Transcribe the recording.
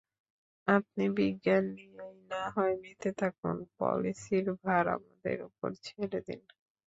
আপনি বিজ্ঞান নিয়েই না হয় মেতে থাকুন, পলিসির ভার আমাদের উপর ছেড়ে দিন!